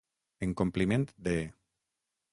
En compliment de.